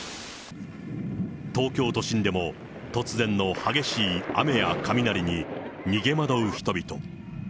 東京都心でも、突然の激しい雨や雷に逃げ惑う人々。